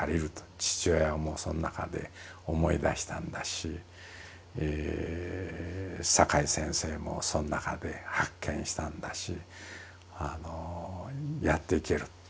父親もその中で思い出したんだし阪井先生もその中で発見したんだしやっていける。